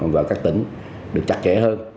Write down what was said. và các tỉnh được chặt chẽ hơn